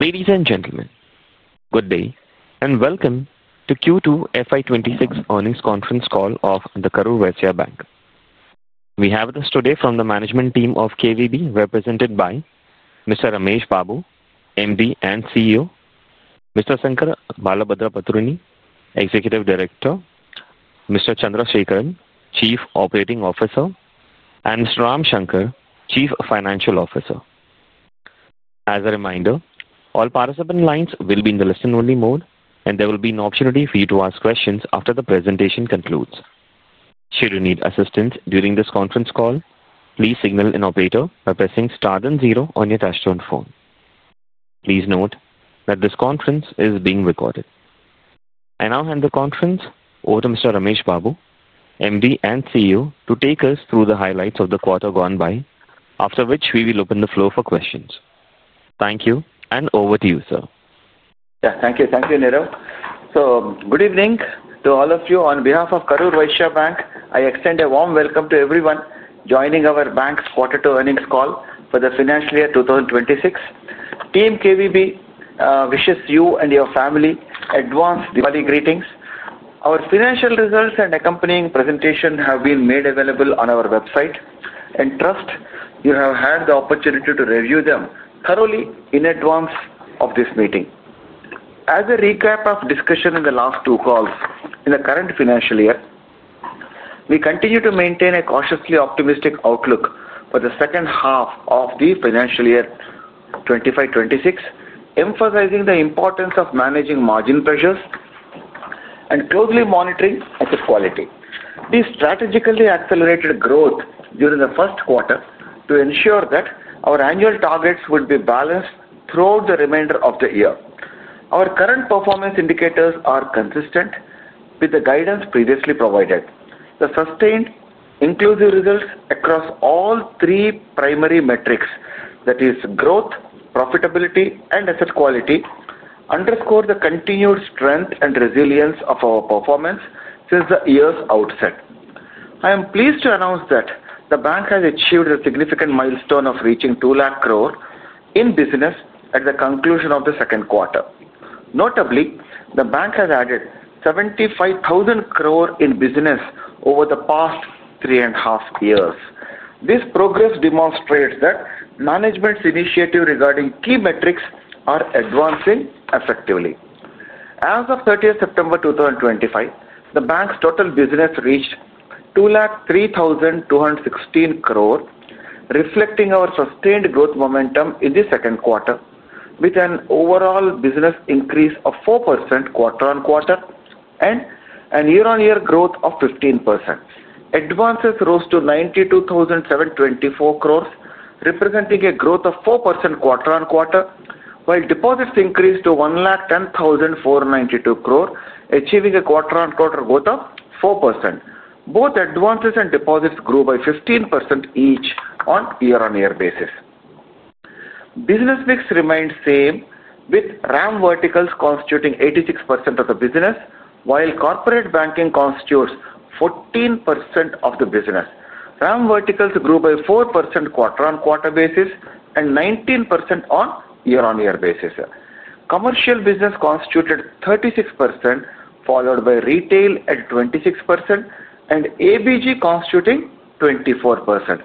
Ladies and gentlemen, good day, and Welcome to Q2 FY26 earnings conference call of Karur Vysya Bank. We have with us today from the management team of KVB, represented by Mr. B. Ramesh Babu, Managing Director & CEO; Mr. Sankar Balabhadrapatruni, Executive Director; Mr. Chandrasekaran, Chief Operating Officer; and Mr. Ramshankar, Chief Financial Officer. As a reminder, all participant lines will be in the listen-only mode, and there will be an opportunity for you to ask questions after the presentation concludes. Should you need assistance during this conference call, please signal an operator by pressing 'Star' and '0' on your touch-tone phone. Please note that this conference is being recorded. I now hand the conference over to Mr. B. Ramesh Babu, Managing Director & CEO, to take us through the highlights of the quarter gone by, after which we will open the floor for questions. Thank you, and over to you, sir. Yeah, thank you. Thank you, Niru. Good evening to all of you. On behalf of Karur Vysya Bank, I extend a warm welcome to everyone joining our bank's Quarter 2 earnings call for the financial year 2026. Team KVB wishes you and your family advanced holiday greetings. Our financial results and accompanying presentations have been made available on our website, and trust you have had the opportunity to review them thoroughly in advance of this meeting. As a recap of discussion in the last two calls, in the current financial year, we continue to maintain a cautiously optimistic outlook for the second half of the financial year 2026, emphasizing the importance of managing margin pressures and closely monitoring asset quality. We strategically accelerated growth during the first quarter to ensure that our annual targets would be balanced throughout the remainder of the year. Our current performance indicators are consistent with the guidance previously provided. The sustained inclusive results across all three primary metrics, that is, growth, profitability, and asset quality, underscore the continued strength and resilience of our performance since the year's outset. I am pleased to announce that the bank has achieved a significant milestone of reaching 2 trillion in business at the conclusion of the second quarter. Notably, the bank has added 750 billion in business over the past three and a half years. This progress demonstrates that management's initiative regarding key metrics is advancing effectively. As of 30 September 2025, the bank's total business reached 2,32,160 crore, reflecting our sustained growth momentum in the second quarter, with an overall business increase of 4% quarter on quarter and a year-on-year growth of 15%. Advances rose to 92,724 crore, representing a growth of 4% quarter on quarter, while deposits increased to 1,10,492 crore, achieving a quarter on quarter growth of 4%. Both advances and deposits grew by 15% each on a year-on-year basis. Business mix remains the same, with RAM verticals constituting 86% of the business, while corporate banking constitutes 14% of the business. RAM verticals grew by 4% quarter on quarter basis and 19% on a year-on-year basis. Commercial business constituted 36%, followed by retail at 26% and ABG constituting 24%.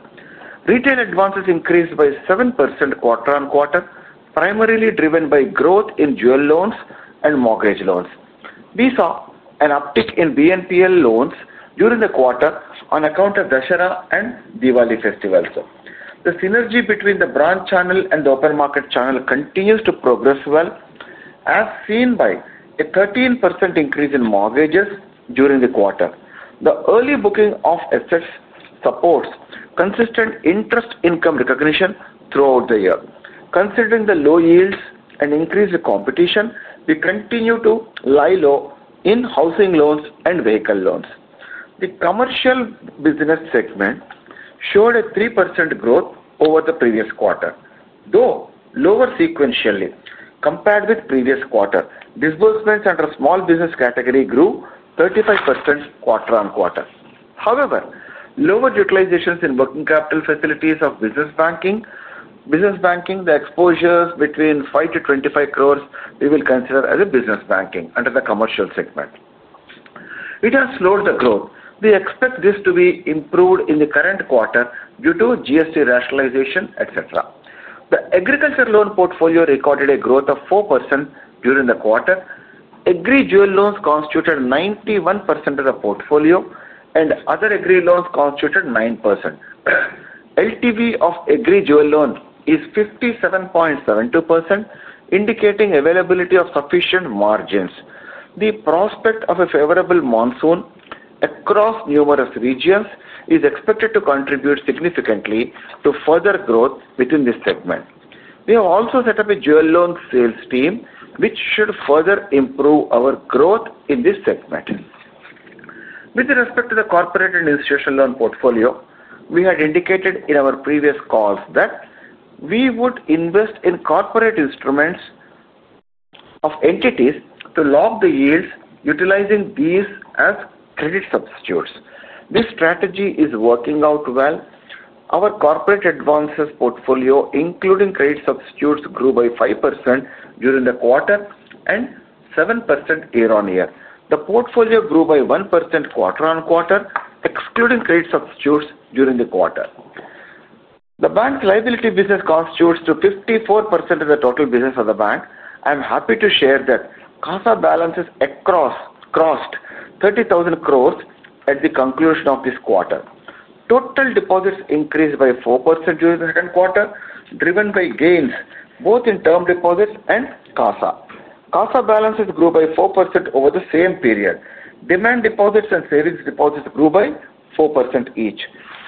Retail advances increased by 7% quarter on quarter, primarily driven by growth in jewel loans and mortgage loans. We saw an uptick in buy now pay later loans during the quarter on account of Dashara and Diwali festivals. The synergy between the branch channel and the open market channel continues to progress well, as seen by a 13% increase in mortgage loans during the quarter. The early booking of assets supports consistent interest income recognition throughout the year. Considering the low yields and increased competition, we continue to lie low in housing loans and vehicle loans. The commercial business segment showed a 3% growth over the previous quarter, though lower sequentially compared with the previous quarter. Disbursements under the small business category grew 35% quarter on quarter. However, lower utilizations in working capital facilities of business banking, the exposures between 5 crore - 25 crore, we will consider as a business banking under the commercial segment. It has slowed the growth. We expect this to be improved in the current quarter due to GST rationalization, etc. The agriculture loan portfolio recorded a growth of 4% during the quarter. Agri jewel loans constituted 91% of the portfolio, and other agri loans constituted 9%. LTV of agri jewel loan is 57.72%, indicating availability of sufficient margins. The prospect of a favorable monsoon across numerous regions is expected to contribute significantly to further growth within this segment. We have also set up a jewel loan sales team, which should further improve our growth in this segment. With respect to the corporate and institutional loan portfolio, we had indicated in our previous calls that we would invest in corporate instruments of entities to lock the yields, utilizing these as credit substitutes. This strategy is working out well. Our corporate advances portfolio, including credit substitutes, grew by 5% during the quarter and 7% year-on-year. The portfolio grew by 1% quarter on quarter, excluding credit substitutes during the quarter. The bank's liability business constitutes 54% of the total business of the bank. I am happy to share that the CASA balances crossed 30,000 crore at the conclusion of this quarter. Total deposits increased by 4% during the second quarter, driven by gains both in term deposits and CASA. CASA balances grew by 4% over the same period. Demand deposits and savings deposits grew by 4% each.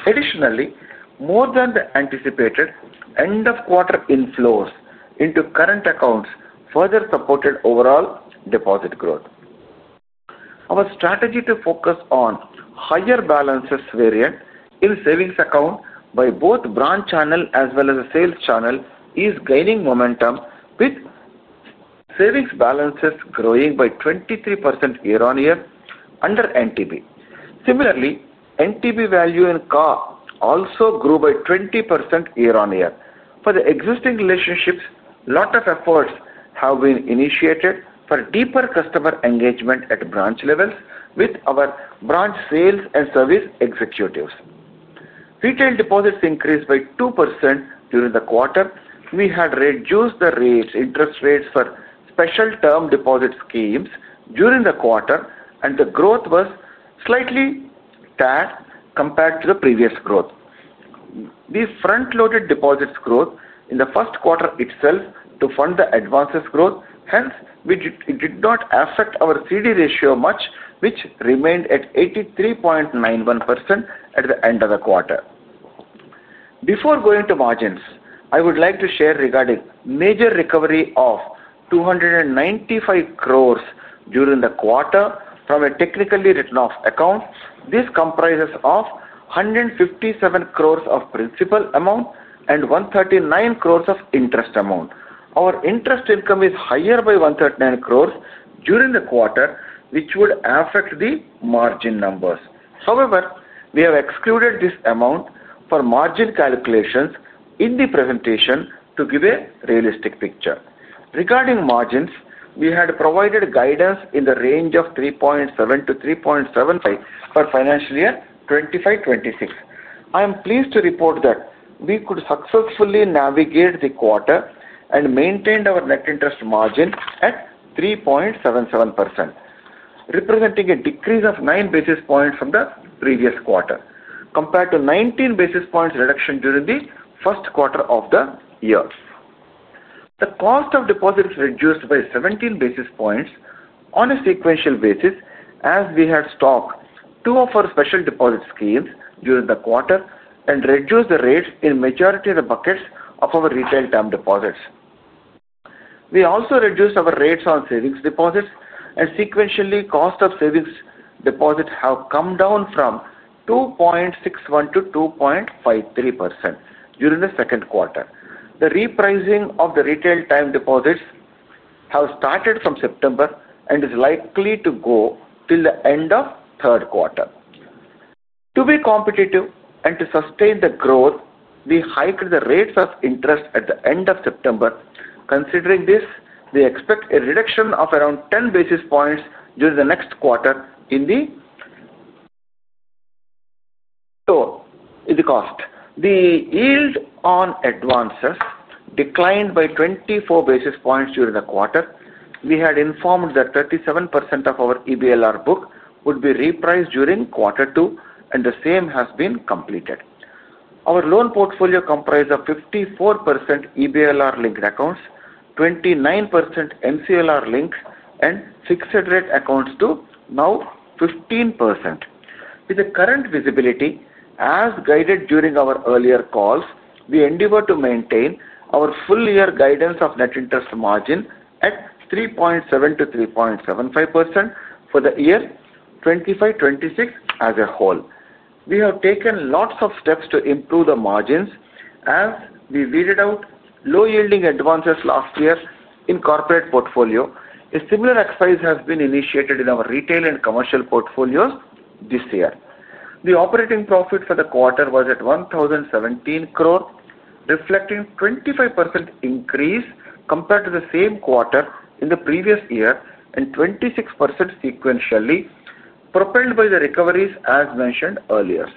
Additionally, more than the anticipated end-of-quarter inflows into current accounts further supported overall deposit growth. Our strategy to focus on higher balances variant in savings accounts by both branch channel as well as the sales channel is gaining momentum, with savings balances growing by 23% year-on-year under NTB. Similarly, NTB value and CASA also grew by 20% year-on-year. For the existing relationships, a lot of efforts have been initiated for deeper customer engagement at branch levels with our branch sales and service executives. Retail deposits increased by 2% during the quarter. We had reduced the interest rates for special term deposit schemes during the quarter, and the growth was slightly tied compared to the previous growth. The front-loaded deposits growth in the first quarter itself to fund the advances growth, hence it did not affect our CD ratio much, which remained at 83.91% at the end of the quarter. Before going to margins, I would like to share regarding the major recovery of 295 crore during the quarter from a technically written-off account. This comprises 157 crore of principal amount and 139 crore of interest amount. Our interest income is higher by 139 crore during the quarter, which would affect the margin numbers. However, we have excluded this amount for margin calculations in the presentation to give a realistic picture. Regarding margins, we had provided guidance in the range of 3.7% - 3.75% for the financial year 2026. I am pleased to report that we could successfully navigate the quarter and maintain our net interest margin at 3.77%, representing a decrease of 9 basis points from the previous quarter, compared to 19 basis points reduction during the first quarter of the year. The cost of deposits reduced by 17 basis points on a sequential basis, as we had stopped two of our special deposit schemes during the quarter and reduced the rates in the majority of the buckets of our retail term deposits. We also reduced our rates on savings deposits, and sequentially, the cost of savings deposits has come down from 2.61% to 2.53% during the second quarter. The repricing of the retail term deposits has started from September and is likely to go till the end of the third quarter. To be competitive and to sustain the growth, we hiked the rates of interest at the end of September. Considering this, we expect a reduction of around 10 basis points during the next quarter in the cost. The yield on advances declined by 24 basis points during the quarter. We had informed that 37% of our EBR-R book would be repriced during quarter two, and the same has been completed. Our loan portfolio comprises 54% EBR-R-linked accounts, 29% MCLR-linked, and fixed-rate accounts to now 15%. With the current visibility, as guided during our earlier calls, we endeavor to maintain our full-year guidance of net interest margin at 3.7% - 3.75% for the year 2026 as a whole. We have taken lots of steps to improve the margins as we weeded out low-yielding advances last year in the corporate portfolio. A similar exercise has been initiated in our retail and commercial portfolios this year. The operating profit for the quarter was at 1,017 crore, reflecting a 25% increase compared to the same quarter in the previous year and 26% sequentially, propelled by the recoveries as mentioned earlier.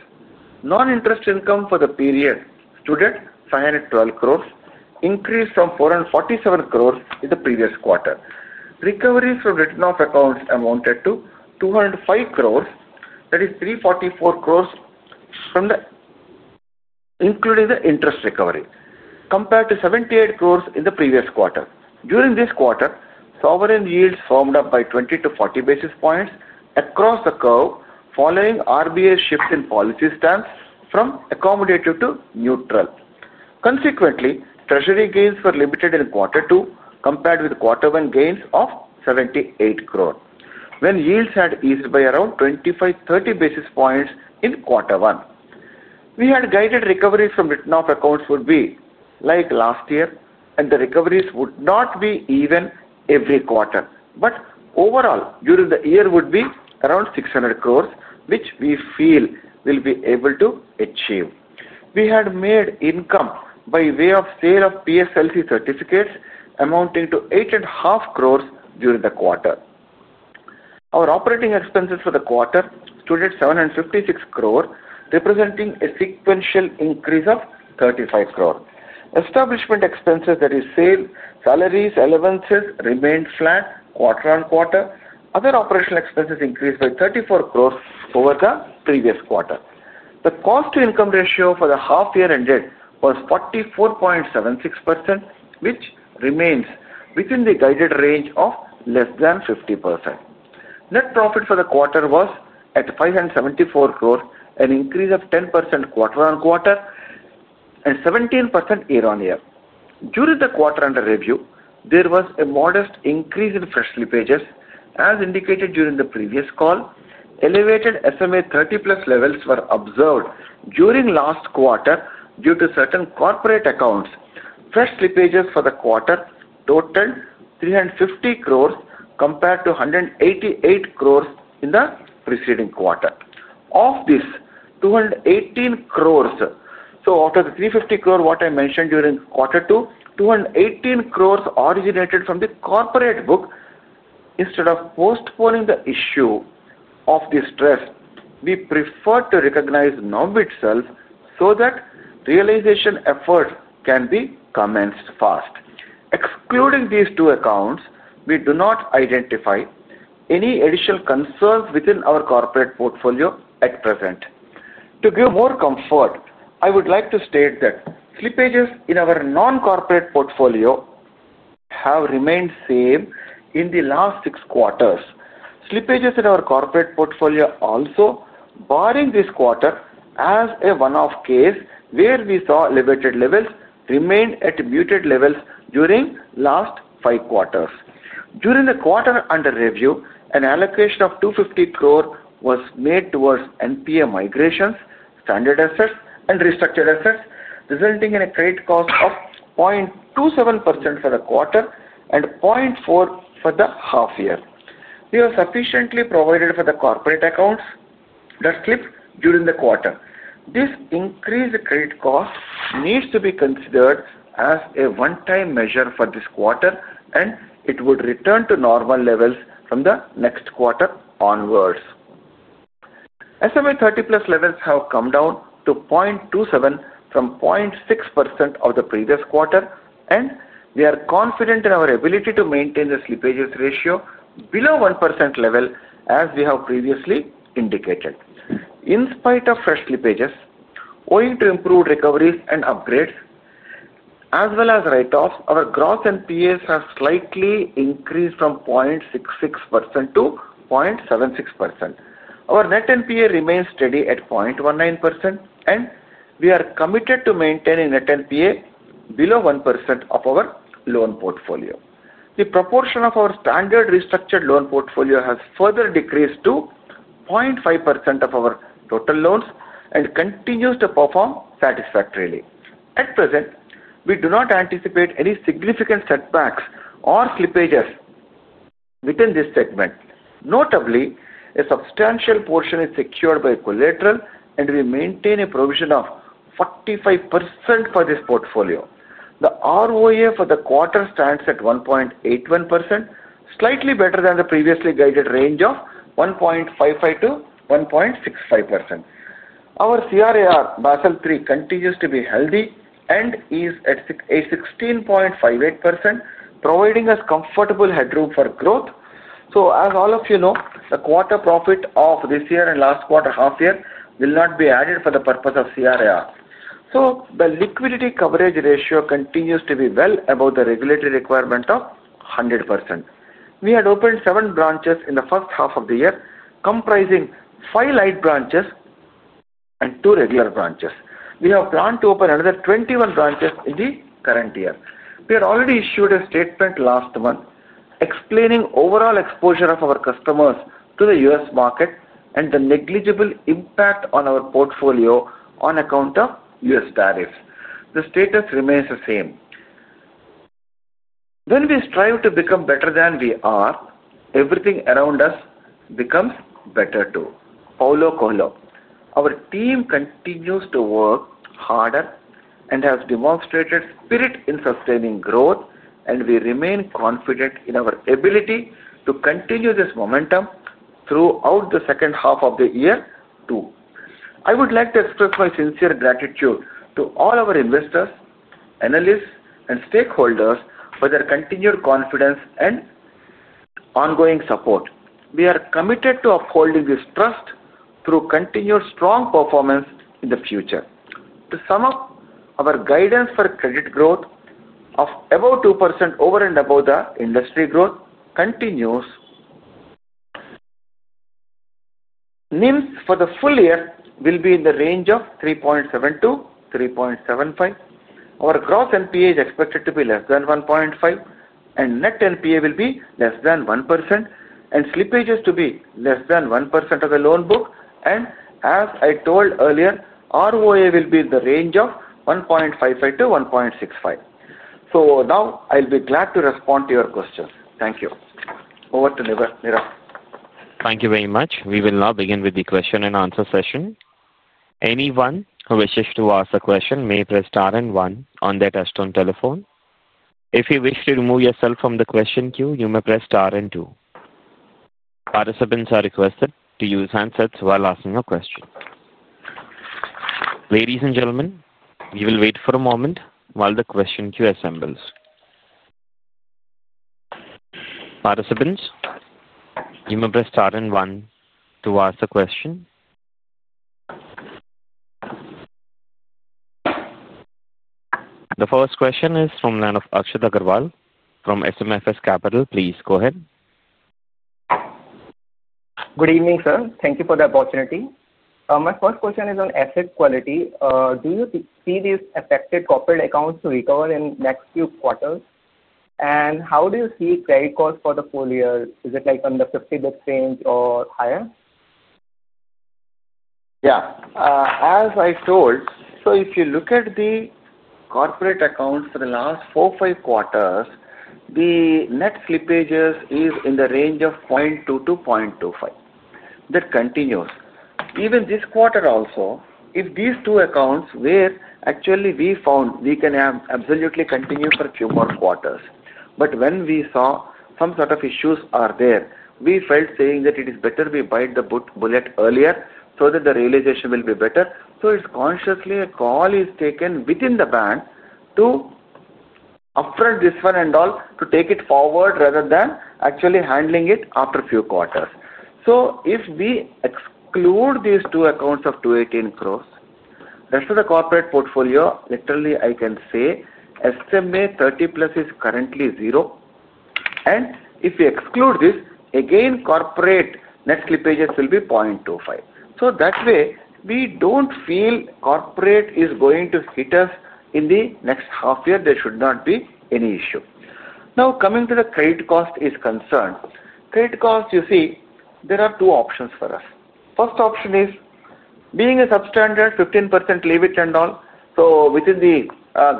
Non-interest income for the period included 512 crore, increased from 447 crore in the previous quarter. Recoveries from written-off accounts amounted to 205 crore, that is 344 crore including the interest recovery, compared to 78 crore in the previous quarter. During this quarter, sovereign yields firmed up by 20 - 40 basis points across the curve following RBI's shift in policy stance from accommodative to neutral. Consequently, Treasury gains were limited in quarter two compared with quarter one gains of 78 crore, when yields had eased by around 25 - 30 basis points in quarter one. We had guided recoveries from written-off accounts would be like last year, and the recoveries would not be even every quarter, but overall during the year would be around 600 crore, which we feel we will be able to achieve. We had made income by way of sale of PSLC certificates amounting to 8.5 crore during the quarter. Our operating expenses for the quarter included 756 crore, representing a sequential increase of 35 crore. Establishment expenses, that is, salaries and allowances remained flat quarter on quarter. Other operational expenses increased by 34 crore over the previous quarter. The cost-to-income ratio for the half-year ended was 44.76%, which remains within the guided range of less than 50%. Net profit for the quarter was at 574 crore, an increase of 10% quarter on quarter and 17% year-on-year. During the quarter under review, there was a modest increase in fresh slippages, as indicated during the previous call. Elevated SMA 30+ levels were observed during last quarter due to certain corporate accounts. Fresh slippages for the quarter totaled 350 crore compared to 188 crore in the preceding quarter. Of this, 218 crore, so out of the 350 crore what I mentioned during quarter two, 218 crore originated from the corporate book. Instead of postponing the issue of distress, we prefer to recognize the know-it-self so that realization efforts can be commenced fast. Excluding these two accounts, we do not identify any additional concerns within our corporate portfolio at present. To give more comfort, I would like to state that slippages in our non-corporate portfolio have remained the same in the last six quarters. Slippages in our corporate portfolio also, barring this quarter as a one-off case where we saw elevated levels, remain at muted levels during the last five quarters. During the quarter under review, an allocation of 250 crore was made towards NPM migrations, standard assets, and restructured assets, resulting in a credit cost of 0.27% for the quarter and 0.4% for the half year. We are sufficiently provided for the corporate accounts that slipped during the quarter. This increased credit cost needs to be considered as a one-time measure for this quarter, and it would return to normal levels from the next quarter onwards. SMA 30+ levels have come down to 0.27% from 0.6% of the previous quarter, and we are confident in our ability to maintain the slippages ratio below 1% level, as we have previously indicated. In spite of fresh slippages, owing to improved recoveries and upgrades, as well as write-offs, our gross NPA has slightly increased from 0.66% to 0.76%. Our net NPA remains steady at 0.19%, and we are committed to maintaining net NPA below 1% of our loan portfolio. The proportion of our standard restructured loan portfolio has further decreased to 0.5% of our total loans and continues to perform satisfactorily. At present, we do not anticipate any significant setbacks or slippages within this segment. Notably, a substantial portion is secured by collateral, and we maintain a provision of 45% for this portfolio. The ROA for the quarter stands at 1.81%, slightly better than the previously guided range of 1.55% to 1.65%. Our CRAR, Basel III, continues to be healthy and is at 16.58%, providing us comfortable headroom for growth. As all of you know, the quarter profit of this year and last quarter half year will not be added for the purpose of CRAR. The liquidity coverage ratio continues to be well above the regulatory requirement of 100%. We had opened seven branches in the first half of the year, comprising five light branches and two regular branches. We have planned to open another 21 branches in the current year. We had already issued a statement last month explaining overall exposure of our customers to the U.S. market and the negligible impact on our portfolio on account of U.S. tariffs. The status remains the same. When we strive to become better than we are, everything around us becomes better too. Paulo Coelho. Our team continues to work harder and has demonstrated spirit in sustaining growth, and we remain confident in our ability to continue this momentum throughout the second half of the year too. I would like to express my sincere gratitude to all our investors, analysts, and stakeholders for their continued confidence and ongoing support. We are committed to upholding this trust through continued strong performance in the future. To sum up, our guidance for credit growth of about 2% over and above the industry growth continues. NIMs for the full year will be in the range of 3.7% - 3.75%. Our gross NPA is expected to be less than 1.5%, and net NPA will be less than 1%, with slippages to be less than 1% of the loan book. As I told earlier, ROA will be in the range of 1.55% to 1.65%. I’ll be glad to respond to your questions. Thank you. Over to Niru. Thank you very much. We will now begin with the question and answer session. Anyone who wishes to ask a question may press star and one on their touch-tone telephone. If you wish to remove yourself from the question queue, you may press star and two. Participants are requested to use handsets while asking a question. Ladies and gentlemen, we will wait for a moment while the question queue assembles. Participants, you may press star and one to ask a question. The first question is from the line of Akshat Agrawal from SMIFS Capital. Please go ahead. Good evening, sir. Thank you for the opportunity. My first question is on asset quality. Do you see these affected corporate accounts to recover in the next few quarters? How do you see credit costs for the full year? Is it like in the 50 bps range or higher? Yeah, as I told, if you look at the corporate accounts for the last four or five quarters, the net slippages are in the range of 0.2% - 0.25%. That continues. Even this quarter also, if these two accounts were actually we found, we can absolutely continue for a few more quarters. When we saw some sort of issues are there, we felt saying that it is better we bite the bullet earlier so that the realization will be better. It is consciously a call taken within the bank to upfront this one and all to take it forward rather than actually handling it after a few quarters. If we exclude these two accounts of 218 crore, the rest of the corporate portfolio, literally I can say SMA 30+ is currently zero. If we exclude this, again, corporate net slippages will be 0.25%. That way, we don't feel corporate is going to hit us in the next half year. There should not be any issue. Now coming to the credit cost concerns, credit costs, you see, there are two options for us. First option is being a substandard 15% levy and all. Within the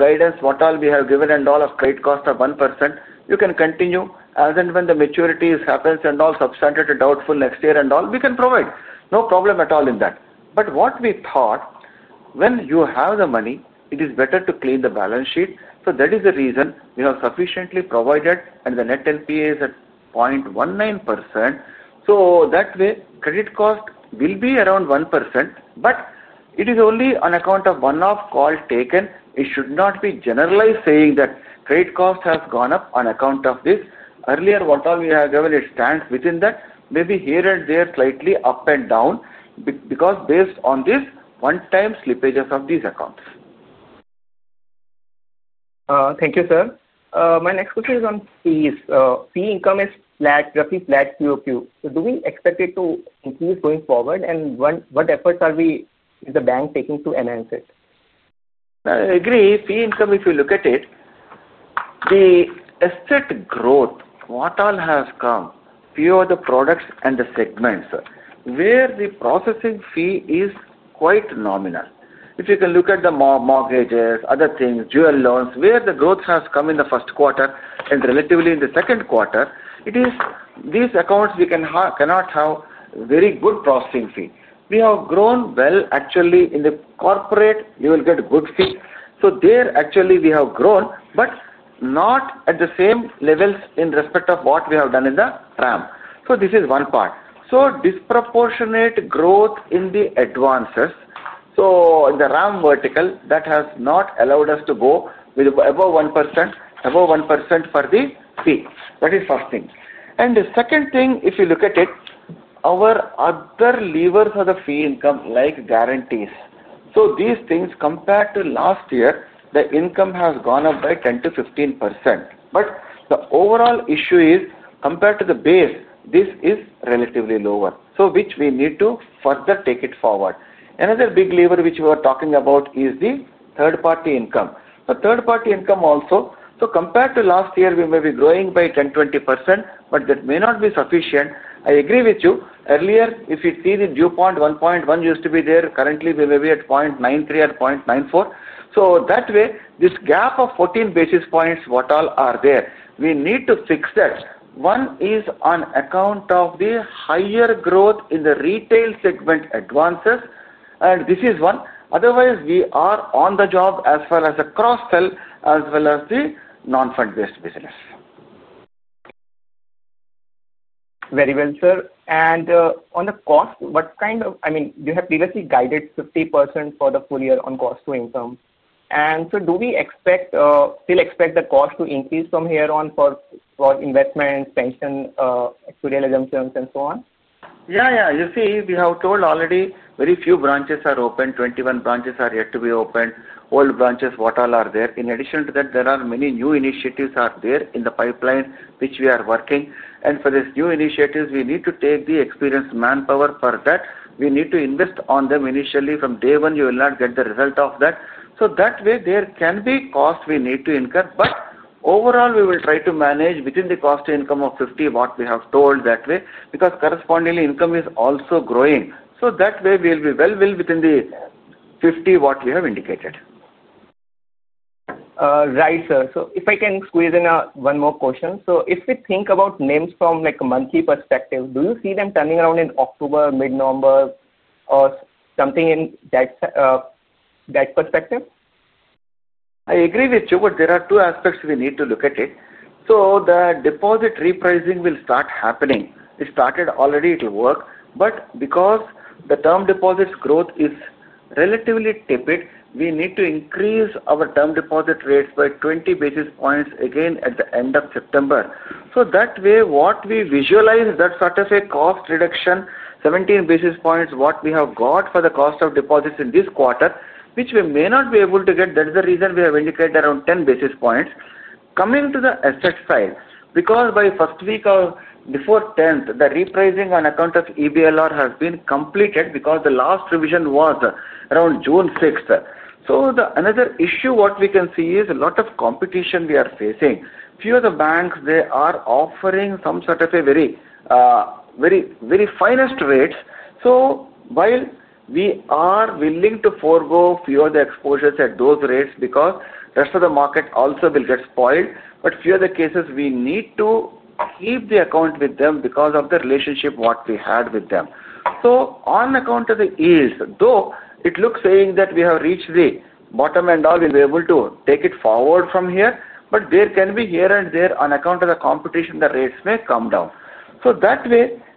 guidance, what all we have given and all of credit costs of 1%, you can continue as and when the maturity happens and all substantially doubtful next year and all, we can provide. No problem at all in that. What we thought, when you have the money, it is better to clean the balance sheet. That is the reason we have sufficiently provided, and the net NPA is at 0.19%. That way, credit cost will be around 1%. It is only on account of one-off call taken. It should not be generalized saying that credit costs have gone up on account of this. Earlier, what all we have given, it stands within that, maybe here and there slightly up and down because based on this one-time slippage of these accounts. Thank you, sir. My next question is on fees. Fee income is roughly flat QOQ. Do we expect it to increase going forward? What efforts are we in the bank taking to enhance it? I agree. Fee income, if you look at it, the asset growth, what all has come, few of the products and the segments where the processing fee is quite nominal. If you can look at the mortgage loans, other things, jewel loans, where the growth has come in the first quarter and relatively in the second quarter, it is these accounts we cannot have very good processing fees. We have grown well, actually. In the corporate, you will get good fees. There, actually, we have grown, but not at the same levels in respect of what we have done in the RAM. This is one part. Disproportionate growth in the advances in the RAM vertical has not allowed us to go with above 1%, above 1% for the fee. That is the first thing. The second thing, if you look at it, our other levers of the fee income, like guarantees, these things, compared to last year, the income has gone up by 10% - 15%. The overall issue is, compared to the base, this is relatively lower, which we need to further take it forward. Another big lever which we were talking about is the third-party income. The third-party income also, compared to last year, we may be growing by 10%, 20%, but that may not be sufficient. I agree with you. Earlier, if you see the due point, 1.1 used to be there. Currently, we may be at 0.93 or 0.94. This gap of 14 basis points, what all are there, we need to fix that. One is on account of the higher growth in the retail segment advances, and this is one. Otherwise, we are on the job as well as the cross-sell, as well as the non-fund-based business. Very well, sir. On the cost, what kind of, I mean, you have previously guided 50% for the full year on cost-to-income. Do we still expect the cost to increase from here on for investments, pension, actuarial exemptions, and so on? Yeah, yeah. You see, we have told already very few branches are open. 21 branches are yet to be opened. All branches, what all are there? In addition to that, there are many new initiatives that are there in the pipeline, which we are working. For these new initiatives, we need to take the experienced manpower for that. We need to invest on them initially. From day one, you will not get the result of that. That way, there can be costs we need to incur. Overall, we will try to manage within the cost-to-income of 50% what we have told that way because correspondingly, income is also growing. That way, we will be well within the 50% what we have indicated. Right, sir. If I can squeeze in one more question, if we think about NIMs from like a monthly perspective, do you see them turning around in October, mid-November, or something in that perspective? I agree with you, but there are two aspects we need to look at. The deposit repricing will start happening. It started already. It will work. Because the term deposits growth is relatively tepid, we need to increase our term deposit rates by 20 basis points again at the end of September. That way, what we visualize, that's sort of a cost reduction, 17 basis points what we have got for the cost of deposits in this quarter, which we may not be able to get. That is the reason we have indicated around 10 basis points. Coming to the asset side, by the first week of before the 10th, the repricing on accounts of EBR-R has been completed because the last revision was around June 6th. Another issue we can see is a lot of competition we are facing. Few of the banks are offering some sort of very, very finest rates. While we are willing to forego a few of the exposures at those rates because the rest of the market also will get spoiled, a few of the cases we need to keep the account with them because of the relationship we had with them. On account of the ease, though it looks like we have reached the bottom and all, we'll be able to take it forward from here. There can be here and there on account of the competition, the rates may come down.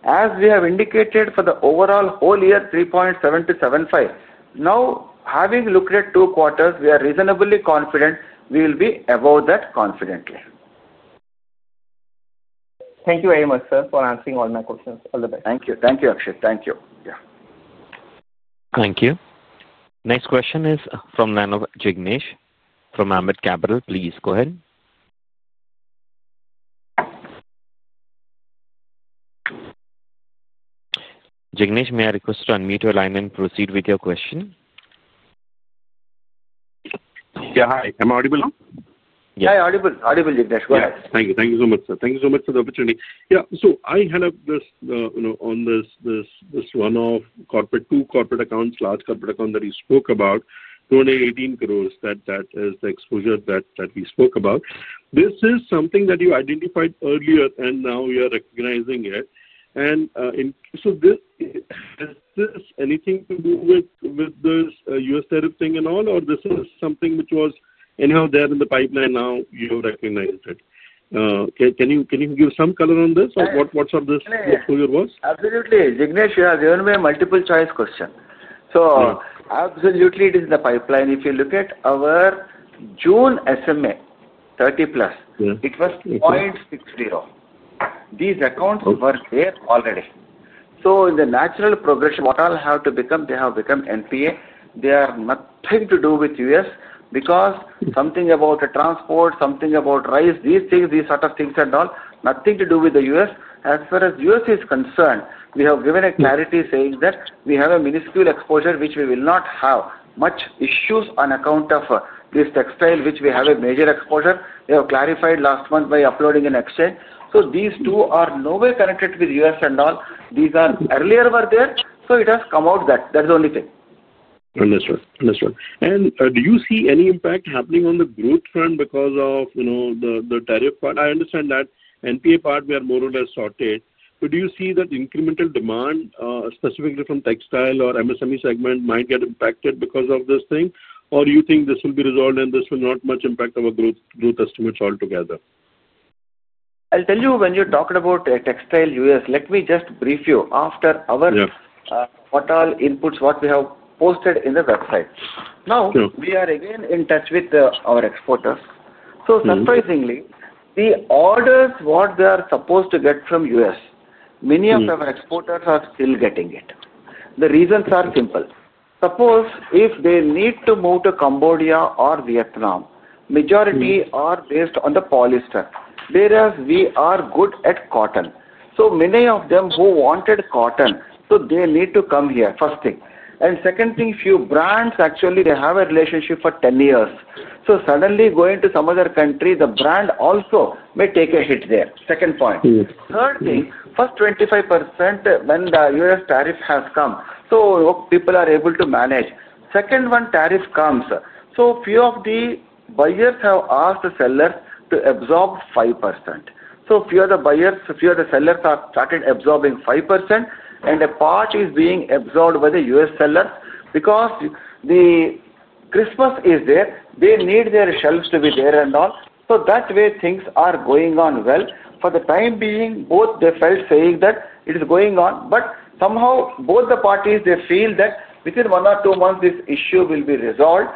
As we have indicated for the overall whole year, 3.7% - 7.5%. Now, having looked at two quarters, we are reasonably confident we will be above that confidently. Thank you very much, sir, for answering all my questions. All the best. Thank you. Thank you, Akshit. Thank you. Thank you. Next question is from the line of Jignesh from Ambit Capital. Please go ahead. Jignesh, may I request to unmute your line and proceed with your question? Yeah, hi. Am I audible now? Yeah. Hi, audible. Audible, Jignesh. Go ahead. Thank you. Thank you so much, sir. Thank you so much for the opportunity. I had a list on this, one of two corporate accounts, large corporate accounts that you spoke about, 218 crore. That is the exposure that we spoke about. This is something that you identified earlier, and now we are recognizing it. Does this have anything to do with this U.S. tariff thing and all, or is this something which was in-house there in the pipeline? Now you recognize it. Can you give some color on this? What sort of this exposure was? Absolutely. Jignesh, you have given me a multiple-choice question. It is in the pipeline. If you look at our June SMA 30+, it was 0.60%. These accounts were there already. In the natural progression, what all have to become, they have become NPA. They have nothing to do with the U.S. because something about the transport, something about rice, these things, these sort of things and all, nothing to do with the U.S. As far as the U.S. is concerned, we have given a clarity saying that we have a minuscule exposure, which we will not have much issues on account of this textile, which we have a major exposure. We have clarified last month by uploading an exchange. These two are nowhere connected with the U.S. and all. These were earlier there. It has come out that. That is the only thing. Understood. Do you see any impact happening on the growth front because of the tariff part? I understand that NPA part, we are more or less sorted. Do you see that incremental demand, specifically from textile or MSME segment, might get impacted because of this thing? Do you think this will be resolved and this will not much impact our growth estimates altogether? I'll tell you, when you're talking about textile U.S., let me just brief you after what all inputs, what we have posted in the website. Now, we are again in touch with our exporters. Surprisingly, the orders what they are supposed to get from U.S., many of our exporters are still getting it. The reasons are simple. Suppose if they need to move to Cambodia or Vietnam, majority are based on the polyester. Whereas we are good at cotton. Many of them who wanted cotton, so they need to come here, first thing. Second thing, few brands actually have a relationship for 10 years. Suddenly going to some other country, the brand also may take a hit there. Third thing, first 25% when the U.S. tariff has come, people are able to manage. Second, when tariff comes, a few of the buyers have asked the sellers to absorb 5%. A few of the buyers, a few of the sellers have started absorbing 5%. A part is being absorbed by the U.S. sellers because Christmas is there. They need their shelves to be there and all. That way, things are going on well. For the time being, both felt saying that it is going on. Somehow, both the parties feel that within one or two months, this issue will be resolved.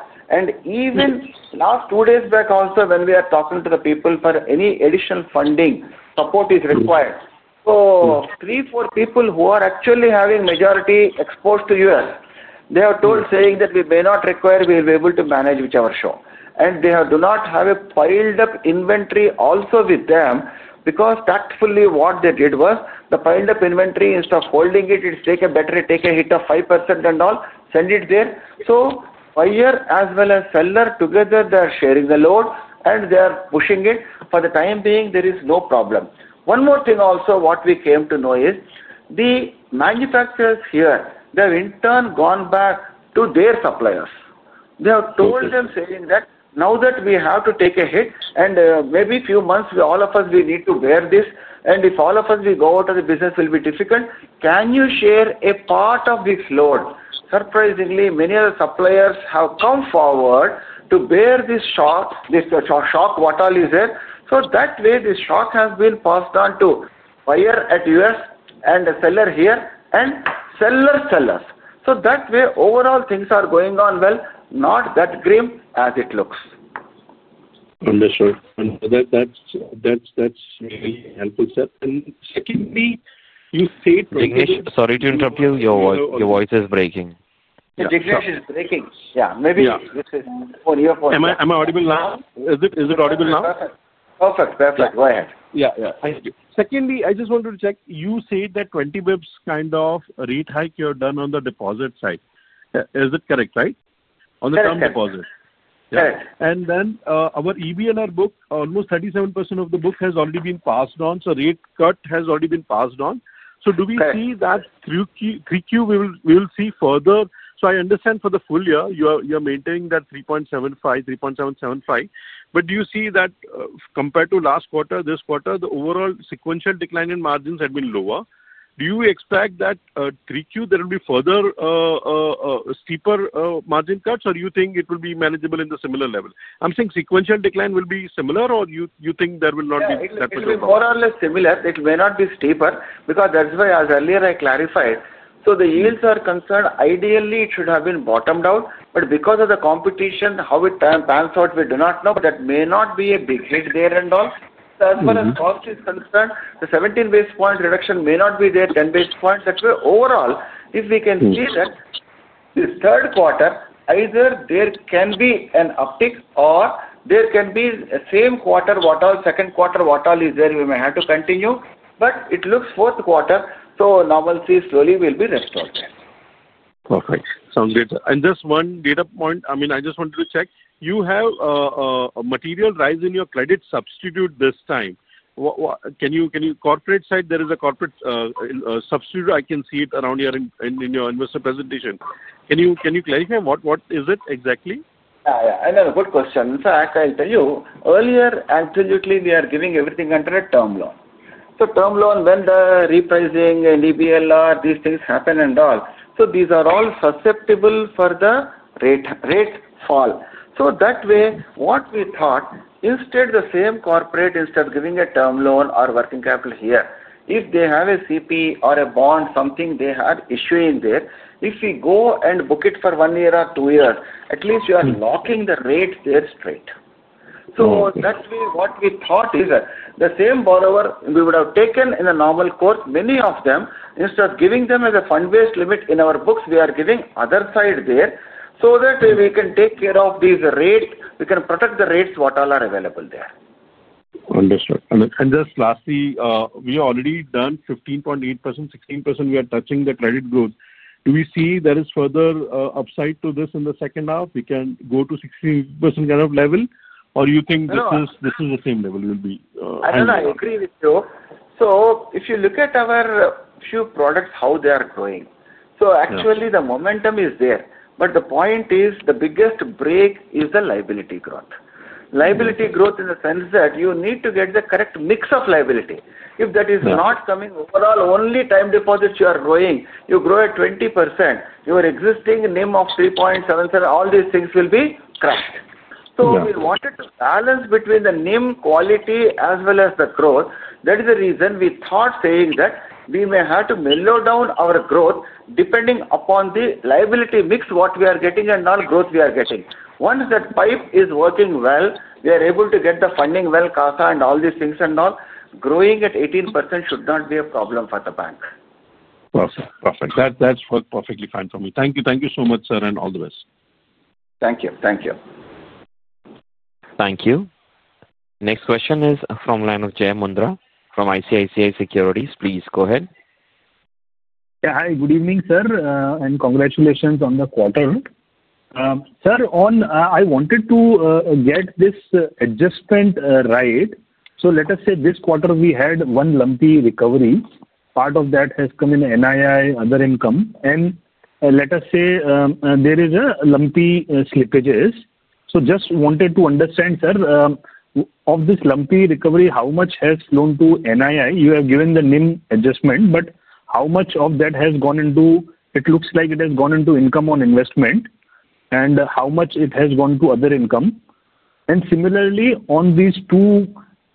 Even last two days back also, when we are talking to the people for any additional funding, support is required. Three, four people who are actually having majority exposed to U.S., they are told saying that we may not require, we will be able to manage whichever show. They do not have a piled-up inventory also with them because tactfully what they did was the piled-up inventory, instead of holding it, take a hit of 5% and all, send it there. Buyer as well as seller, together they are sharing the load, and they are pushing it. For the time being, there is no problem. One more thing also, what we came to know is the manufacturers here, they have in turn gone back to their suppliers. They have told them saying that now that we have to take a hit. Maybe a few months, all of us, we need to bear this. If all of us, we go out of the business, it will be difficult. Can you share a part of this load? Surprisingly, many of the suppliers have come forward to bear this shock, this shock what all is there. That way, this shock has been passed on to buyer at U.S. and the seller here and sellers, sellers. That way, overall, things are going on well, not that grim as it looks. Understood. That's really helpful, sir. Secondly, you said Jignesh. Jignesh, sorry to interrupt you. Your voice is breaking. Jignesh is breaking. Maybe this is on your phone. Am I audible now? Is it audible now? Perfect. Perfect. Perfect. Go ahead. Yeah, yeah. Secondly, I just wanted to check. You said that 20 bps kind of rate hike you have done on the deposit side. Is it correct, right? On the term deposit. Yes. Our EBR-R book, almost 37% of the book has already been passed on. The rate cut has already been passed on. Do we see that, we will see further? I understand for the full year, you are maintaining that 3.75, 3.775. Do you see that compared to last quarter, this quarter, the overall sequential decline in margins had been lower? Do you expect that there will be further steeper margin cuts, or do you think it will be manageable at a similar level? I'm saying sequential decline will be similar, or do you think there will not be that much of a decline? I think it will be more or less similar. It may not be steeper because, as earlier I clarified, as far as the yields are concerned, ideally, it should have been bottomed out. However, because of the competition, how it pans out, we do not know. That may not be a big hit there. As far as cost is concerned, the 17 bps reduction may not be there, 10 bps. That way, overall, if we can see that this third quarter, either there can be an uptick or there can be the same quarter as what all, second quarter what all is there, we may have to continue. It looks like fourth quarter, normalcy slowly will be restored there. Perfect. Sounds good. Just one data point, I just wanted to check. You have a material rise in your credit substitute this time. Can you, on the corporate side, there is a credit substitute. I can see it around here in your investor presentation. Can you clarify what is it exactly? Yeah, yeah. Good question. I'll tell you, earlier, absolutely, we are giving everything under a term loan. Term loan, when the repricing and EBR-R, these things happen and all, these are all susceptible for the rate fall. That way, what we thought, instead, the same corporate, instead of giving a term loan or working capital here, if they have a CP or a bond, something they are issuing there, if we go and book it for one year or two years, at least you are locking the rate there straight. That way, what we thought is the same borrower we would have taken in the normal course, many of them, instead of giving them as a fund-based limit in our books, we are giving other side there. That way we can take care of these rates. We can protect the rates what all are available there. Understood. Just lastly, we have already done 15.8%, 16%. We are touching the credit growth. Do we see there is further upside to this in the second half? We can go to 16% kind of level, or do you think this is the same level we will be? I agree with you. If you look at our few products, how they are growing, the momentum is there. The point is the biggest break is the liability growth. Liability growth in the sense that you need to get the correct mix of liability. If that is not coming, overall, only term deposits are growing, you grow at 20%, your existing NIM of 3.77%, all these things will be crushed. We wanted to balance between the NIM quality as well as the growth. That is the reason we thought we may have to mellow down our growth depending upon the liability mix we are getting and all growth we are getting. Once that pipe is working well, we are able to get the funding well, CASA and all these things, growing at 18% should not be a problem for the bank. Perfect. Perfect. That's perfectly fine for me. Thank you. Thank you so much, sir, and all the best. Thank you. Thank you. Thank you. Next question is from the line of Jai Mundhra from ICICI Securities. Please go ahead. Yeah, hi. Good evening, sir. Congratulations on the quarter. Sir, I wanted to get this adjustment right. Let us say this quarter we had one lumpy recovery. Part of that has come in NII, other income. Let us say there are lumpy slippages. I just wanted to understand, sir, of this lumpy recovery, how much has flown to NII? You have given the NIM adjustment, but how much of that has gone into it? It looks like it has gone into income on investment and how much it has gone to other income. Similarly, on these two,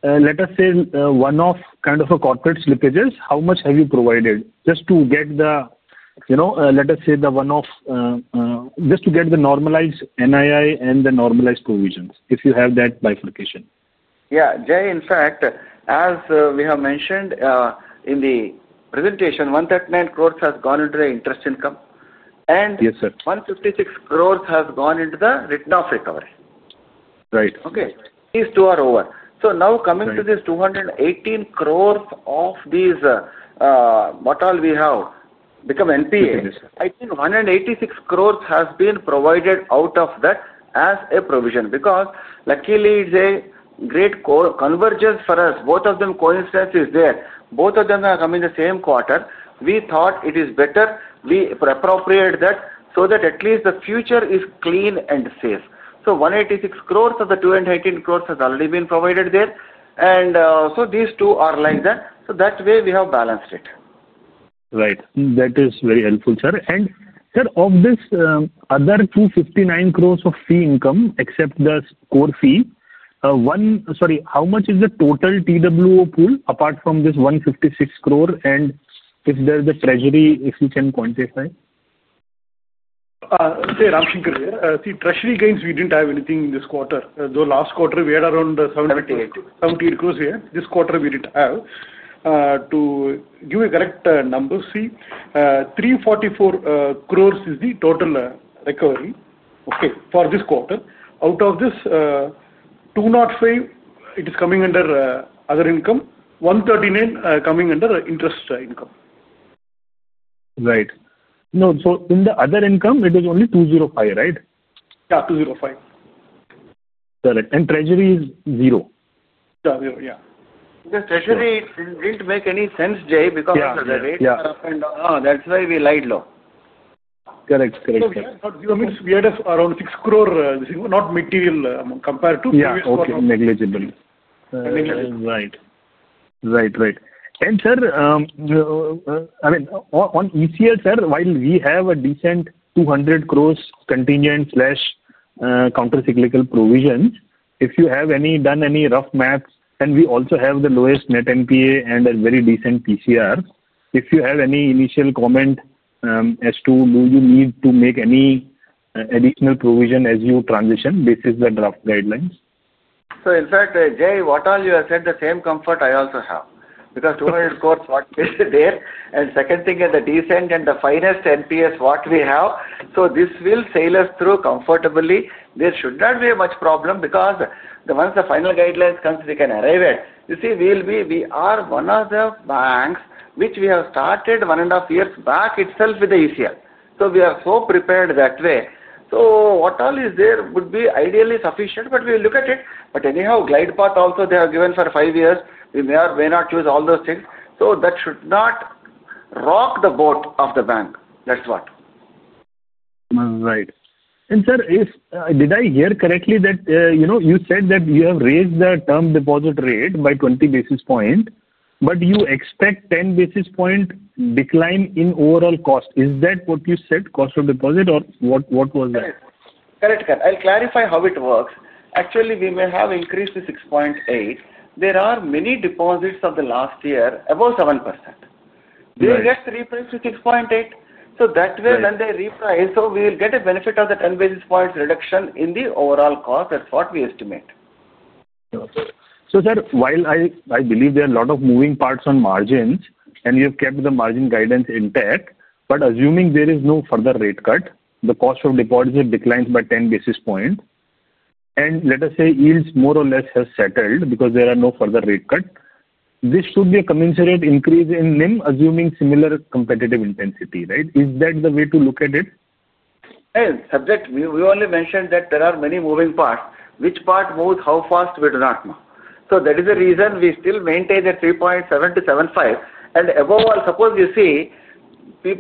let us say one-off kind of corporate slippages, how much have you provided just to get the, you know, let us say the one-off, just to get the normalized NII and the normalized provisions if you have that bifurcation? Yeah, Jai, in fact, as we have mentioned in the presentation, 139 crore has gone into the interest income. 156 crore has gone into the written-off recovery. Right. Okay. These two are over. Now coming to this 218 crore, of these, what all we have become NPA, I think 186 crore has been provided out of that as a provision because luckily, it's a great convergence for us. Both of them, coincidence is there. Both of them have come in the same quarter. We thought it is better we appropriate that so that at least the future is clean and safe. 186 crore of the 218 crore has already been provided there. These two are like that. That way, we have balanced it. Right. That is very helpful, sir. Sir, of this other 259 crore of fee income, except the core fee, one, sorry, how much is the total TWO pool apart from this 156 crore? If there is a treasury, if you can quantify? Treasury gains, we didn't have anything in this quarter. Last quarter, we had around 78 crore. This quarter, we didn't have. To give a correct number, 344 crore is the total recovery for this quarter. Out of this, 205 crore is coming under other income. 139 crore coming under interest income. Right. In the other income, it was only 205 crore, right? Yeah, 205. Got it. Treasury is zero? Yeah, zero. The treasury didn't make any sense, Jay, because the rates are up and down. That's why we lied low. Correct. Correct. We had not zero. It means we had around 6 crore, not material compared to previous quarter. Negligible. Negligible. Right. Right. Right. Sir, on ECL, while we have a decent 200 crore contingent/countercyclical provisions, if you have done any rough maths, and we also have the lowest net NPA and a very decent PCR, if you have any initial comment as to do you need to make any additional provision as you transition, this is the rough guidelines. In fact, Jai, what all you have said, the same comfort I also have because 200 crore what we have there, and second thing is the decent and the finest NPAs what we have. This will sail us through comfortably. There should not be much problem because once the final guidelines come, we can arrive at. You see, we are one of the banks which we have started one and a half years back itself with the ECL. We are so prepared that way. What all is there would be ideally sufficient, but we will look at it. Anyhow, glide path also they have given for five years. We may or may not use all those things. That should not rock the boat of the bank. That's what. Right. Sir, did I hear correctly that you said that you have raised the term deposit rate by 20 basis points, but you expect 10 basis point decline in overall cost? Is that what you said, cost of deposit, or what was that? Correct. I'll clarify how it works. Actually, we may have increased to 6.8%. There are many deposits of the last year, about 7%. They just repriced to 6.8%. That way, when they reprice, we will get a benefit of the 10 basis points reduction in the overall cost. That's what we estimate. Sure. Sir, while I believe there are a lot of moving parts on margins, and you've kept the margin guidance intact, assuming there is no further rate cut, the cost of deposit declines by 10 basis points, and let us say yields more or less have settled because there are no further rate cuts, this should be a commensurate increase in NIM, assuming similar competitive intensity, right? Is that the way to look at it? We only mentioned that there are many moving parts. Which part moves, how fast, we do not know. That is the reason we still maintain the 3.7% - 7.5%. Above all, suppose you see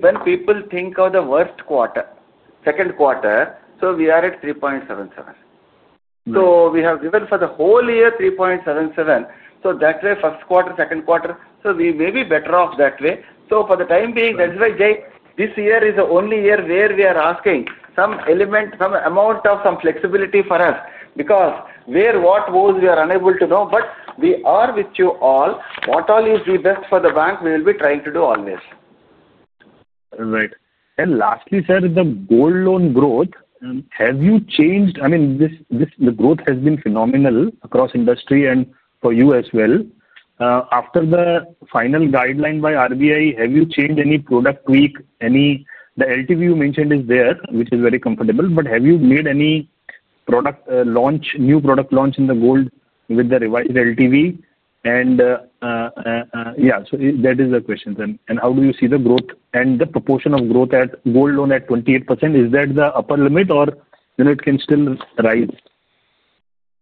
when people think of the worst quarter, second quarter, we are at 3.77%. We have given for the whole year 3.77%. That way, first quarter, second quarter, we may be better off that way. For the time being, that's why, Jai, this year is the only year where we are asking some element, some amount of some flexibility for us because where what goes, we are unable to know. We are with you all. What all is the best for the bank, we will be trying to do always. Right. Lastly, sir, the gold loan growth, have you changed? I mean, the growth has been phenomenal across industry and for you as well. After the final guideline by RBI, have you changed any product tweak? The LTV you mentioned is there, which is very comfortable, but have you made any product launch, new product launch in the gold with the revised LTV? That is the question. How do you see the growth and the proportion of growth at gold loan at 28%? Is that the upper limit or it can still rise?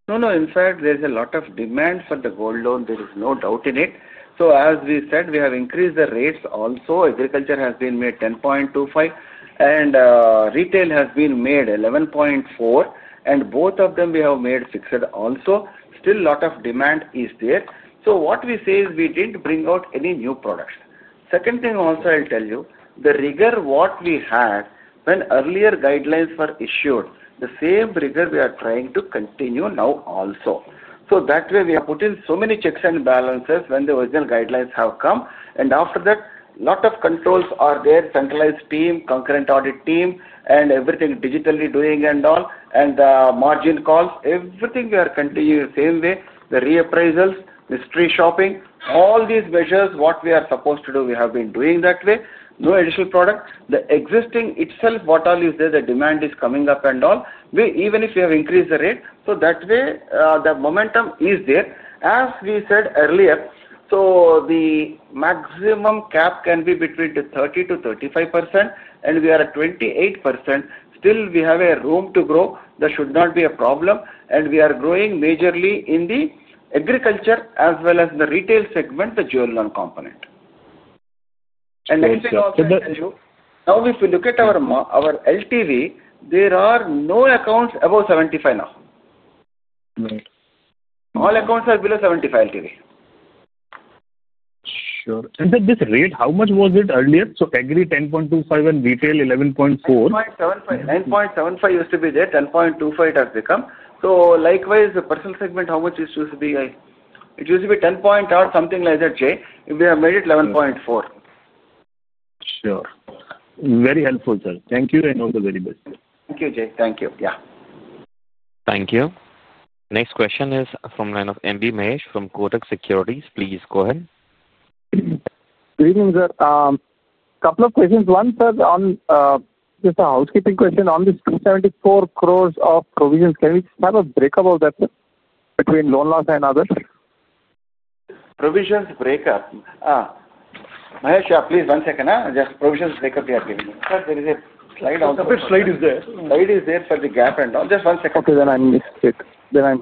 No, no. In fact, there's a lot of demand for the jewel loan. There is no doubt in it. As we said, we have increased the rates also. Agriculture has been made 10.25%, and retail has been made 11.4%. Both of them, we have made fixed also. Still, a lot of demand is there. What we say is we didn't bring out any new products. Second thing also, I'll tell you, the rigor what we had when earlier guidelines were issued, the same rigor we are trying to continue now also. That way, we are putting so many checks and balances when the original guidelines have come. After that, a lot of controls are there, centralized team, concurrent audit team, and everything digitally doing and all. The margin calls, everything we are continuing the same way. The reappraisals, mystery shopping, all these measures, what we are supposed to do, we have been doing that way. No additional product. The existing itself, what all is there, the demand is coming up and all, even if we have increased the rate. That way, the momentum is there. As we said earlier, the maximum cap can be between 30% - 35%, and we are at 28%. Still, we have room to grow. There should not be a problem. We are growing majorly in the agriculture as well as in the retail segment, the jewelry component. Next thing also, now if we look at our LTV, there are no accounts above 75 now. All accounts are below 75 LTV. Sure. Sir, this rate, how much was it earlier? Aggregate 10.25% and retail 11.4%? 9.75%. 9.75% used to be there. 10.25% it has become. Likewise, the personal segment, how much it used to be? It used to be 10% or something like that, Jay. We have made it 11.4%. Sure. Very helpful, sir. Thank you. All the very best. Thank you, Jay. Thank you. Thank you. Next question is from the line of M.B. Mahesh from Kotak Securities. Please go ahead. Good evening, sir. A couple of questions. One, sir, just a housekeeping question on this 274 crores of provisions. Can we just have a breakup of that, sir, between loan loss and others? Provisions breakup. Mahesh, please, one second. Just provisions breakup, we are giving you. Sir, there is a slide also. A bit slide is there. Slide is there for the gap and all. Just one second. Okay, I missed it. Yeah,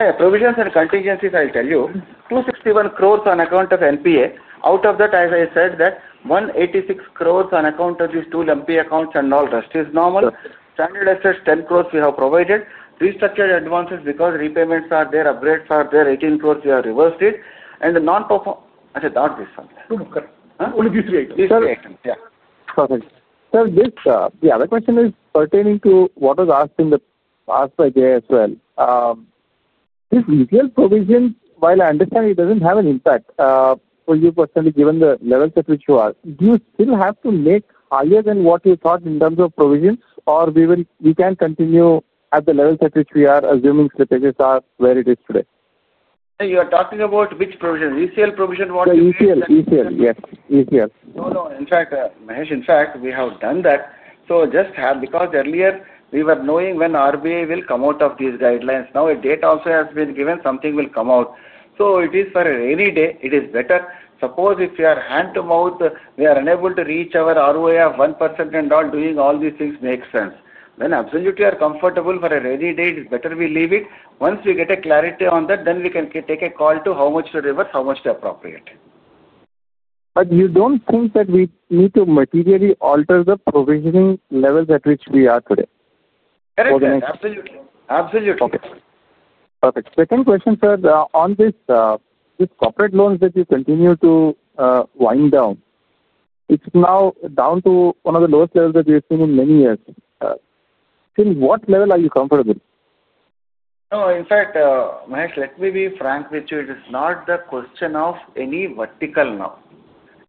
yeah. Provisions and contingencies, I'll tell you. 261 crores on account of NPA. Out of that, as I said, that 186 crores on account of these two lumpy accounts, and all rest is normal. Standard assets, 10 crores we have provided. Restructured advances because repayments are there, upgrades are there, 18 crores we have reversed. The non-perform, I said not this one. No, correct. Only these three items. These three items, yeah. Perfect. Sir, the other question is pertaining to what was asked in the past by Jay as well. This retail provision, while I understand it doesn't have an impact for you personally, given the levels at which you are, do you still have to make higher than what you thought in terms of provisions, or we can continue at the levels at which we are, assuming slippages are where it is today? You are talking about which provision? ECL provision? ECL. ECL. Yes. ECL. No, Mahesh, we have done that. Earlier, we were knowing when RBI will come out with these guidelines. Now a date also has been given. Something will come out. It is for a rainy day. It is better. Suppose if we are hand to mouth, we are unable to reach our ROI of 1% and all, doing all these things makes sense. When absolutely are comfortable for a rainy day, it is better we leave it. Once we get a clarity on that, then we can take a call to how much to reverse, how much to appropriate. Do you think that we need to materially alter the provisioning levels at which we are today? Correct. Absolutely. Absolutely. Okay. Perfect. Second question, sir. On these corporate loans that you continue to wind down, it's now down to one of the lowest levels that we have seen in many years. Since what level are you comfortable? No, in fact, Mahesh, let me be frank with you. It is not the question of any vertical now.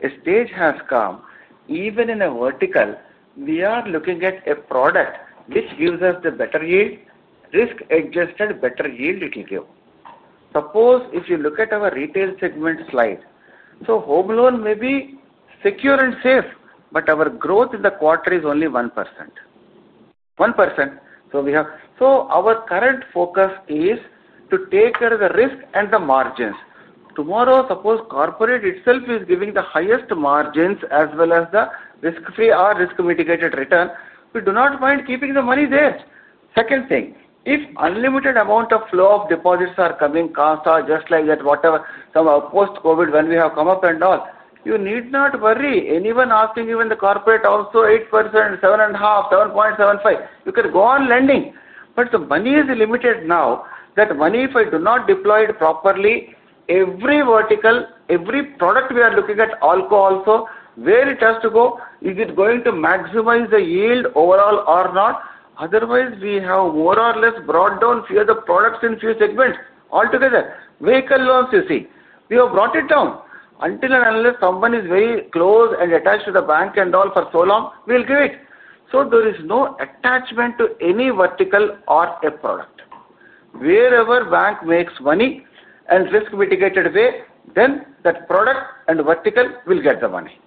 A stage has come. Even in a vertical, we are looking at a product which gives us the better yield, risk-adjusted better yield it will give. Suppose if you look at our retail segment slide, so home loan may be secure and safe, but our growth in the quarter is only 1%. 1%. We have, so our current focus is to take care of the risk and the margins. Tomorrow, suppose corporate itself is giving the highest margins as well as the risk-free or risk-mitigated return. We do not mind keeping the money there. Second thing, if unlimited amount of flow of deposits are coming, CASA just like that, whatever, somehow post-COVID when we have come up and all, you need not worry. Anyone asking even the corporate also 8%, 7.5%, 7.75%, you can go on lending. The money is limited now. That money, if I do not deploy it properly, every vertical, every product we are looking at, ALCO also, where it has to go, is it going to maximize the yield overall or not? Otherwise, we have more or less brought down a few of the products in a few segments altogether. Vehicle loans, you see, we have brought it down. Until and unless someone is very close and attached to the bank and all for so long, we will give it. There is no attachment to any vertical or a product. Wherever bank makes money and risk-mitigated way, then that product and vertical will get the money.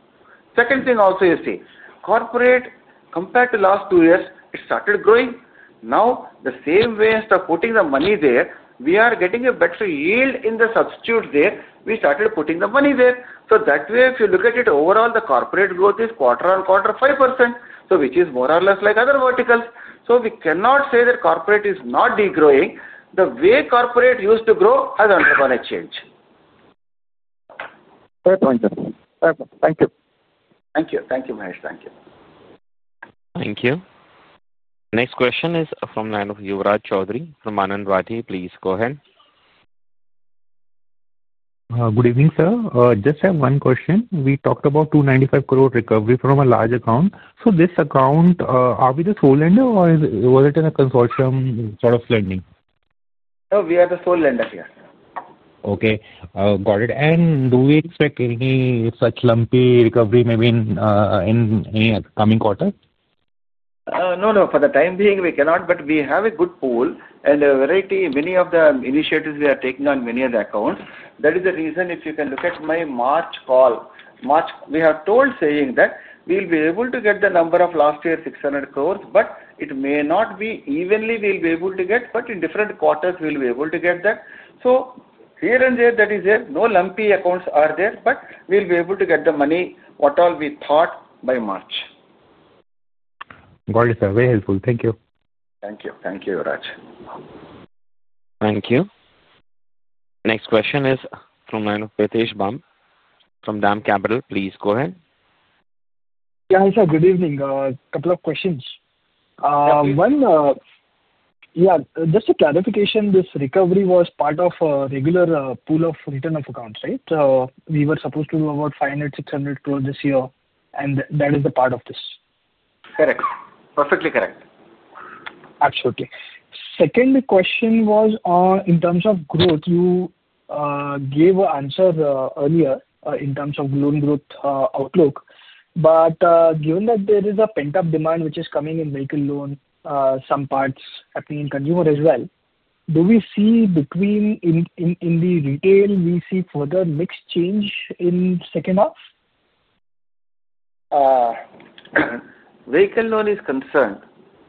Second thing also, you see, corporate compared to last two years, it started growing. The same way instead of putting the money there, we are getting a better yield in the substitutes there. We started putting the money there. If you look at it overall, the corporate growth is quarter on quarter 5%. Which is more or less like other verticals. We cannot say that corporate is not degrowing. The way corporate used to grow has undergone a change. Great point, sir. Thank you. Thank you. Thank you, Mahesh. Thank you. Thank you. Next question is from the line of Yuvraj Choudhary from Anand Rathi. Please go ahead. Good evening, sir. Just have one question. We talked about 295 crore recovery from a large account. This account, are we the sole lender or was it in a consortium sort of lending? No, we are the sole lender here. Okay. Got it. Do we expect any such lumpy recovery maybe in any coming quarter? No, for the time being, we cannot. We have a good pool and a variety. Many of the initiatives we are taking on many of the accounts. That is the reason if you can look at my March call. We have told saying that we will be able to get the number of last year 600 crore, but it may not be evenly we will be able to get, but in different quarters, we will be able to get that. Here and there, that is there. No lumpy accounts are there, but we will be able to get the money what all we thought by March. Got it, sir. Very helpful. Thank you. Thank you. Thank you, Yuvraj. Thank you. Next question is from the line of Pritesh Bumb from DAM Capital. Please go ahead. Yeah, hi, sir. Good evening. A couple of questions. Sure. One, yeah, just a clarification. This recovery was part of a regular pool of return of accounts, right? We were supposed to do about 500 crore, 600 crore this year, and that is the part of this? Correct. Perfectly correct. Absolutely. Second question was in terms of growth. You gave an answer earlier in terms of loan growth outlook. Given that there is a pent-up demand which is coming in vehicle loans, some parts happening in consumer as well, do we see between in the retail, we see further mix change in the second half? Vehicle loan is concerned,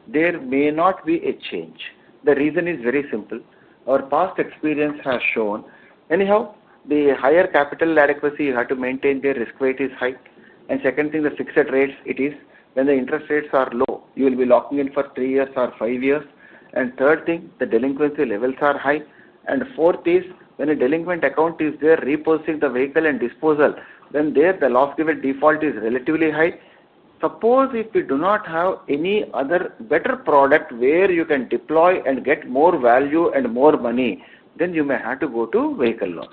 there may not be a change. The reason is very simple. Our past experience has shown, anyhow, the higher capital adequacy you have to maintain, the risk rate is high. The second thing, the fixed rate it is, when the interest rates are low, you will be locking in for three years or five years. The third thing, the delinquency levels are high. The fourth is when a delinquent account is there, repossessing the vehicle and disposal, then there, the loss given default is relatively high. Suppose if we do not have any other better product where you can deploy and get more value and more money, then you may have to go to vehicle loan.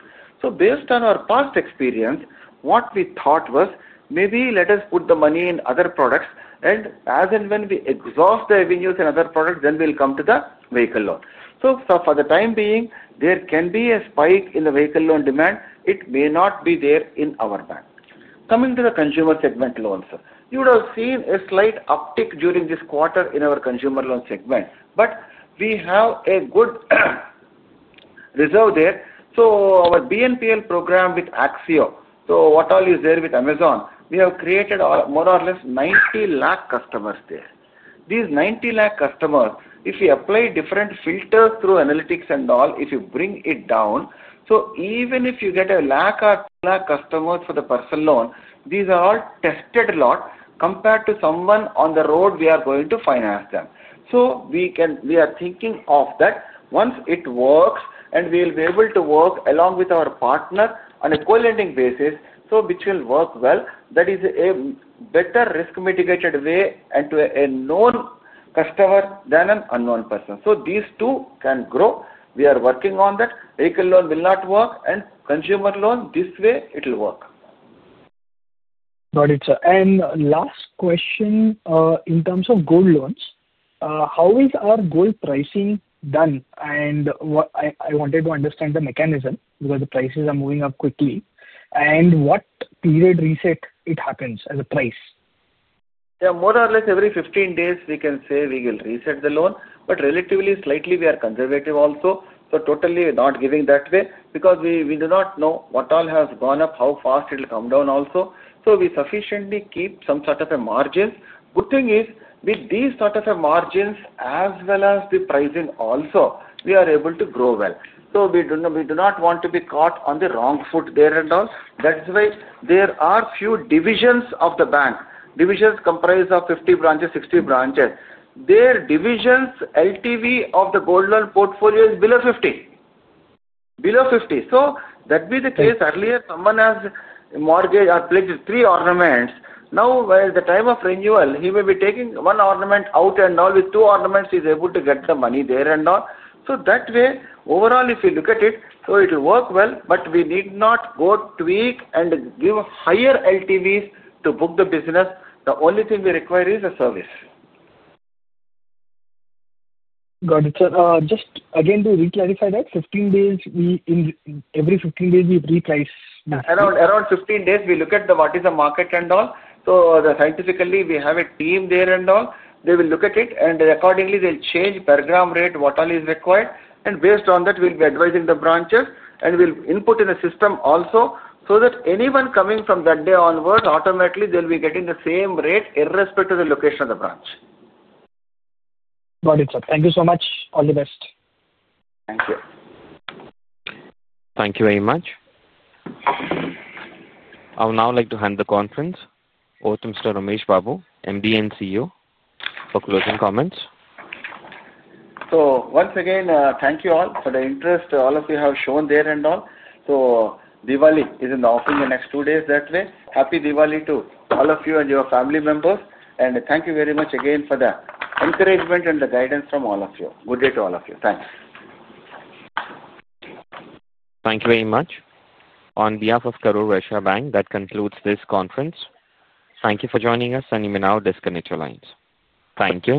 Based on our past experience, what we thought was maybe let us put the money in other products, and as and when we exhaust the avenues in other products, then we will come to the vehicle loan. For the time being, there can be a spike in the vehicle loan demand. It may not be there in our bank. Coming to the consumer segment loans, you would have seen a slight uptick during this quarter in our consumer loan segment. We have a good reserve there. Our buy now pay later program with Axio, so what all is there with Amazon, we have created more or less 9 million customers there. These 9 million customers, if you apply different filters through analytics and all, if you bring it down, even if you get 100,000 or 200,000 customers for the personal loan, these are all tested a lot compared to someone on the road we are going to finance them. We are thinking of that. Once it works, we will be able to work along with our partner on a co-lending basis, which will work well. That is a better risk-mitigated way and to a known customer than an unknown person. These two can grow. We are working on that. Vehicle loan will not work, and consumer loan, this way, it will work. Got it, sir. Last question, in terms of jewel loans, how is our gold pricing done? What I wanted to understand is the mechanism because the prices are moving up quickly. What period reset happens as a price? Yeah, more or less every 15 days, we can say we will reset the loan, but relatively slightly, we are conservative also. We are totally not giving that way because we do not know what all has gone up, how fast it will come down also. We sufficiently keep some sort of margins. The good thing is with these sort of margins as well as the pricing also, we are able to grow well. We do not want to be caught on the wrong foot there. That's why there are a few divisions of the bank. Divisions comprise of 50 branches, 60 branches. Their divisions, LTV of the gold loan portfolio is below 50%. Below 50%. That would be the case earlier. Someone has mortgaged or pledged three ornaments. By the time of renewal, he may be taking one ornament out. With two ornaments, he's able to get the money there. That way, overall, if you look at it, it will work well, but we need not go tweak and give higher LTVs to book the business. The only thing we require is a service. Got it, sir. Just again to reclarify that, every 15 days, we reprice? Around 15 days, we look at what is the market and all. Scientifically, we have a team there and all. They will look at it, and accordingly, they'll change per gram rate, what all is required. Based on that, we'll be advising the branches, and we'll input in a system also so that anyone coming from that day onwards automatically, they'll be getting the same rate irrespective of the location of the branch. Got it, sir. Thank you so much. All the best. Thank you. Thank you very much. I would now like to hand the conference over to Mr. B. Ramesh Babu, Managing Director & CEO, for closing comments. Once again, thank you all for the interest all of you have shown there and all. Diwali is in the offing the next two days that way. Happy Diwali to all of you and your family members. Thank you very much again for the encouragement and the guidance from all of you. Good day to all of you. Thanks. Thank you very much. On behalf of Karur Vysya Bank, that concludes this conference. Thank you for joining us, and we will now disconnect your lines. Thank you.